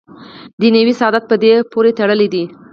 دنیوي سعادت په دې پورې تړلی دی.